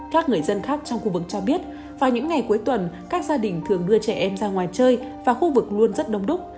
các người dân khác trong khu vực cho biết vào những ngày cuối tuần các gia đình thường đưa trẻ em ra ngoài chơi và khu vực luôn rất đông đúc